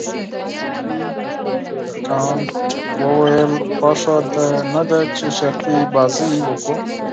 کانت وویل خوښه دې نه ده چې شرطي لوبه وکړو.